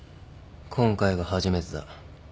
今回が初めてだ。